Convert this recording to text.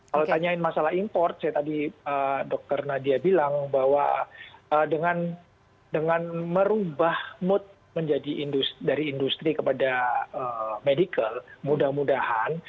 kalau tanyain masalah import saya tadi dr nadia bilang bahwa dengan merubah mood menjadi dari industri kepada medical mudah mudahan